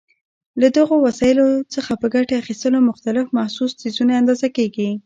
له دغو وسایلو څخه په ګټې اخیستلو مختلف محسوس څیزونه اندازه کېږي.